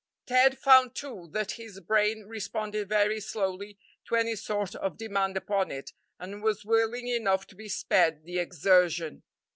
Ted found, too, that his brain responded very slowly to any sort of demand upon it, and was willing enough to be spared the exertion.